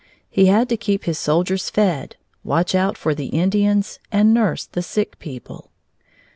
He had to keep his soldiers fed, watch out for the Indians, and nurse the sick people.